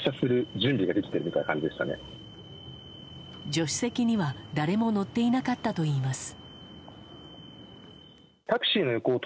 助手席には誰も乗っていなかったといいます。